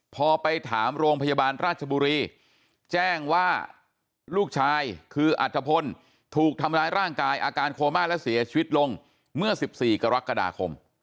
พอไปถามโรงพยาบาลราชบุรีแจ้งว่าลูกชายคืออัธพลถูกทำร้ายร่างกายอาการโคม่าและเสียชีวิตลงเมื่อ๑๔กรกฎาคม